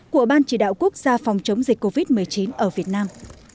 của ban chỉ đạo quốc gia phòng chống dịch covid một mươi chín ở việt nam